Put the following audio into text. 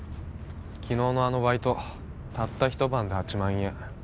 昨日のあのバイトたった一晩で８万円